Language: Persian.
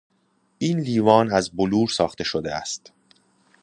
این لیوان از بلور ساخته شده است.